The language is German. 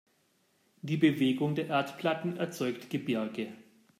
Die Bewegung der Erdplatten erzeugt Gebirge.